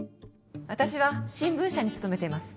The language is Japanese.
私は新聞社に勤めています。